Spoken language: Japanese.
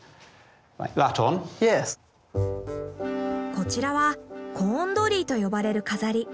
こちらはコーンドリーと呼ばれる飾り。